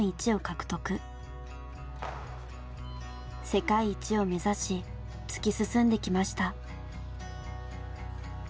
世界一を目指し突き進んできました。